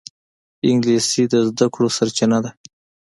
انګلیسي د زده کړو سرچینه ده